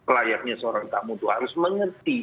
layaknya seorang tamu itu harus mengerti